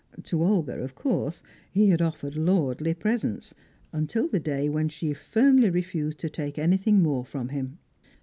To Olga, of course, he had offered lordly presents, until the day when she firmly refused to take anything more from him.